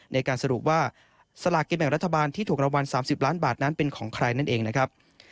ในการสรุปว่าสลากกินแบ่งรัฐบาลที่ถูกรางวัล๓๐ล้านบาทนั้นเป็นของใครนั่นเองนะครับ